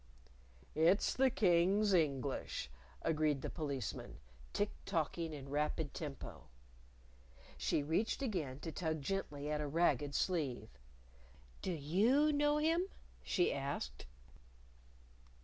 "It's the King's English," agreed the Policeman, tick tocking in rapid tempo. She reached again to tug gently at a ragged sleeve. "Do you know him?" she asked.